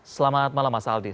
selamat malam mas aldis